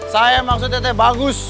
saya maksudnya bagus